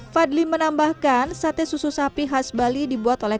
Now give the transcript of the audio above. fadli menambahkan sate susu sapi khas bali dibuat oleh